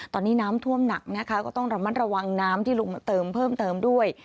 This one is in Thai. ตอนนี้น้ำท่วมหนักนะคะก็ต้องระมัดระวังน้ำที่ลงมาเติมเพิ่มเติมด้วย